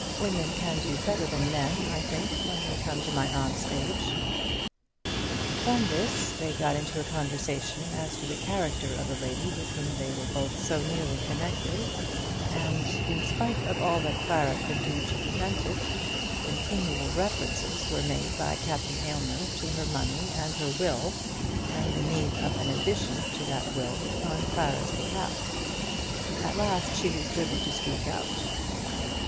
Women can do better than men, I think, when they come to my aunt's age." From this they got into a conversation as to the character of the lady with whom they were both so nearly connected, and, in spite of all that Clara could do to prevent it, continual references were made by Captain Aylmer to her money and her will, and the need of an addition to that will on Clara's behalf. At last she was driven to speak out.